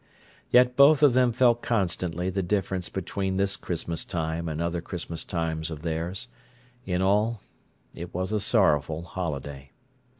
Yet both of them felt constantly the difference between this Christmastime and other Christmas times of theirs—in all, it was a sorrowful holiday.